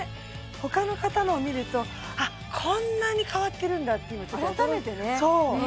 他の方のを見るとあっこんなに変わってるんだって今ちょっと驚いて改めてねそう！